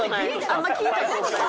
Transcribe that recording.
あんま聞いた事ない。